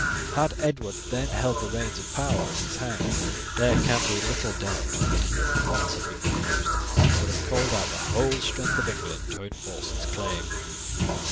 Had Edward then held the reins of power in his hands, there can be little doubt that he would at once have refused, and would have called out the whole strength of England to enforce his claim.